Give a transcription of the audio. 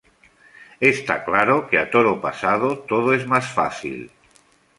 Está claro que a toro pasado todo es más fácil